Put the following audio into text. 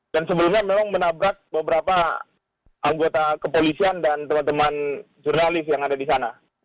sebelumnya memang menabrak beberapa anggota kepolisian dan teman teman jurnalis yang ada di sana